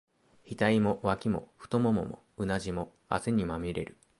額も、脇も、太腿も、うなじも、汗にまみれる。